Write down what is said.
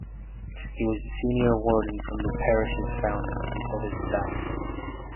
He was the Senior Warden from the parish's founding until his death.